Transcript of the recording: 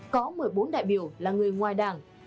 có một mươi bốn đại biểu là người ngoài đảng